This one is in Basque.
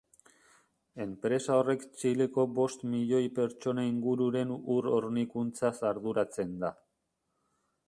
Enpresa horrek Txileko bost milioi pertsona ingururen ur-hornikuntzaz arduratzen da.